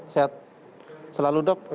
sehat selalu dok